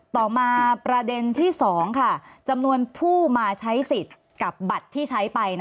ต่อมาประเด็นที่๒ค่ะจำนวนผู้มาใช้สิทธิ์กับบัตรที่ใช้ไป